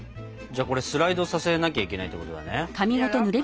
じゃあこれスライドさせなきゃいけないってことだね。